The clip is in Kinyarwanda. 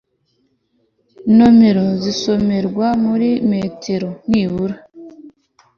numero zisomerwa muri metero nibura